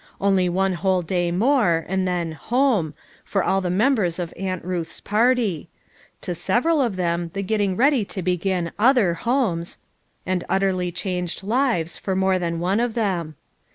Only one whole day more, and then "home," for all the members of "Aunt Ruth's party"; to several of them the getting ready to begin other homes; and utterly changed lives for more than one of them.